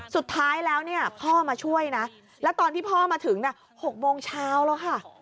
สุดท้ายแล้วเนี่ยพ่อมาช่วยนะแล้วตอนที่พ่อมาถึง๖โมงเช้าแล้วค่ะ